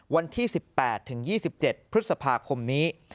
วันที่๑๘ถึง๒๗พฤษภาคมนี้